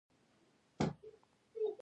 ایا زه غرمه راشم؟